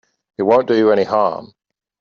It won't do you any harm.